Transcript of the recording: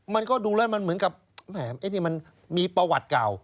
มันก็ดูแล้วมันเหมือนกับแหมนี่มันมีประวัติเก่า